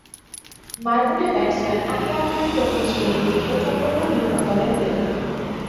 মারকুটে batsman Akram Khan প্রথম-শ্রেণীর ক্রিকেটে চট্টগ্রাম বিভাগ দলের হয়ে খেলেন।